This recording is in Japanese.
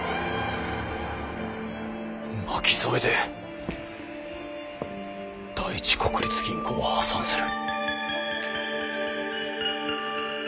巻き添えで第一国立銀行は破産する！